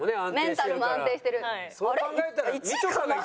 メンタルも安定してるあれ？